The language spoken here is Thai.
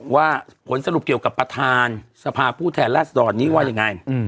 ว่าผลสรุปเกี่ยวกับประธานสภาผู้แทนราชดรนี้ว่ายังไง